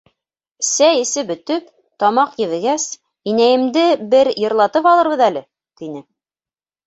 — Сәй эсеп бөтөп, тамаҡ ебегәс, инәйемде бер йырлатып алырбыҙ әле, — тине.